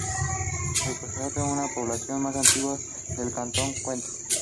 Ricaurte es una de las poblaciones más antiguas del cantón Cuenca.